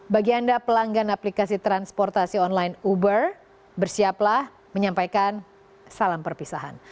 bagi anda pelanggan aplikasi transportasi online uber bersiaplah menyampaikan salam perpisahan